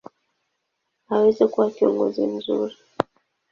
hawezi kuwa kiongozi mzuri.